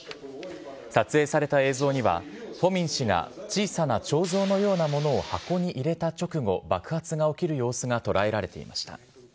撮影された映像には、フォミン氏が小さな彫像のようなものを箱に入れた直後、爆発が起きる様子が捉えられていました。